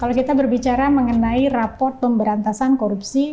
kalau kita berbicara mengenai rapot pemberantasan korupsi